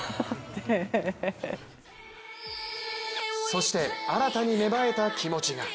そして新たに芽生えた気持ちが。